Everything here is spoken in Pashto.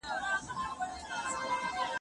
بد دوست تاوان کوي